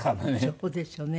そうですよね。